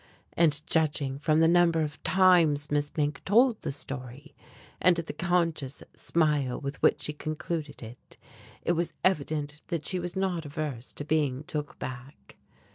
And judging from the number of times Miss Mink told the story, and the conscious smile with which she concluded it, it was evident that she was not averse to being "took back."